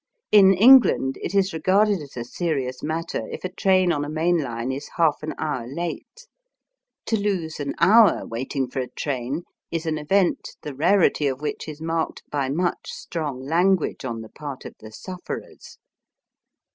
In England it is regarded as a serious matter if a train on a main line is half an hour late. To lose an hour waiting for a train is an event the rarity of which is marked by much strong language on the part of the sufferers.